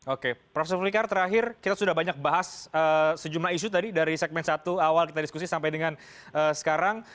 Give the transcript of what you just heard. oke prof filikar terakhir kita sudah banyak bahas sejumlah isu tadi dari segmen satu awal kita diskusi sampai dengan sekarang